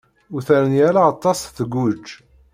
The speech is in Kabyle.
Ur terni ara aṭas tguǧ.